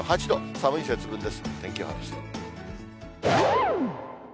寒い節分です。